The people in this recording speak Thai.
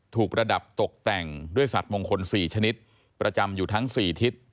ประดับตกแต่งด้วยสัตว์มงคล๔ชนิดประจำอยู่ทั้ง๔ทิศ